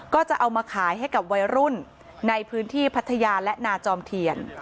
ก็จะเอามาขายให้กับวัยรุ่นในพื้นที่พัทยาและนาจอมเทียน